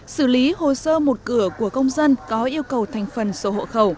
sử lý hồ sơ một cửa của công dân có yêu cầu thành phần sổ hộ